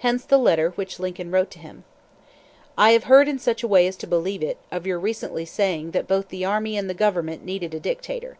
Hence the letter which Lincoln wrote to him: "I have heard in such a way as to believe it, of your recently saying that both the army and the government needed a dictator.